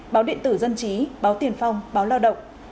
báo điện tử dân trí báo tiền phong báo lao động